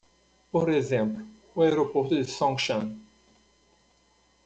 Por exemplo, o aeroporto de Songshan